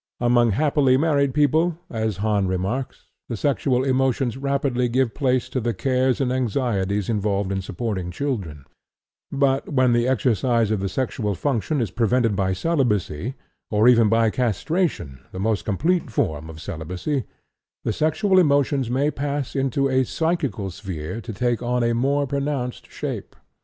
Among happily married people, as Hahn remarks, the sexual emotions rapidly give place to the cares and anxieties involved in supporting children; but when the exercise of the sexual function is prevented by celibacy, or even by castration, the most complete form of celibacy, the sexual emotions may pass into the psychical sphere to take on a more pronounced shape.